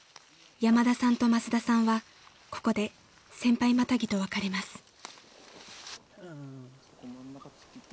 ［山田さんと益田さんはここで先輩マタギと分かれます］